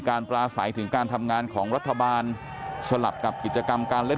ปลาใสถึงการทำงานของรัฐบาลสลับกับกิจกรรมการเล่น